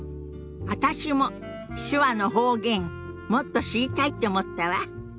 私も手話の方言もっと知りたいって思ったわ。